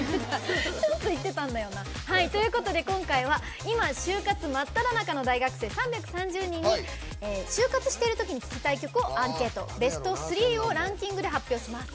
ということで今回は今、就活真っただ中の大学生３３０人に「就活しているときに聴きたい曲」をアンケート、ベスト３ランキングで発表します。